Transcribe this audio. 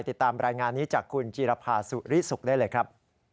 ติดตามรายงานนี้จากคุณจีรภาสุริสุขได้เลยครับ